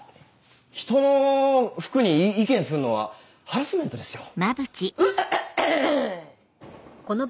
ひひとの服に意見するのはハラスメントですよ。